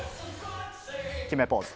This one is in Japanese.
決めポーズ。